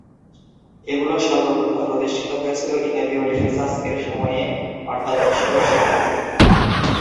এগুলো সর্ব প্রথম প্রতিষ্ঠিত হয়েছিল ইতালীয় রেনেসাঁস এর সময়ে অর্থাৎ ষোড়শ শতাব্দীতে।